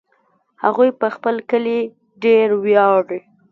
هغوی په خپل کلي ډېر ویاړي